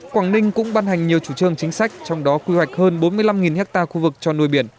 quảng ninh cũng ban hành nhiều chủ trương chính sách trong đó quy hoạch hơn bốn mươi năm ha khu vực cho nuôi biển